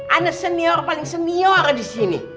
aneh senior paling senior disini